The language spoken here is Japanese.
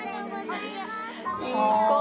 いい子。